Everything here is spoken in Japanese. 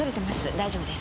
大丈夫です。